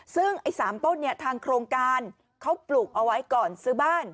ซึ่งไอ้๓ต้นเนี่ยทางโครงการเขาปลูกเอาไว้ก่อนซื้อบ้าน